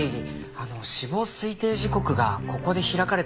あの死亡推定時刻がここで開かれた。